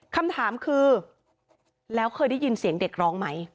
คำถามคือแล้วเคยได้ยินเสียงเด็กร้องไหม